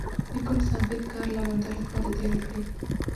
د کوم ثابت کار له موندلو پرته تېره کړې.